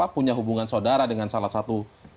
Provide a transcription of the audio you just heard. punya hubungan saudara dengan salah satu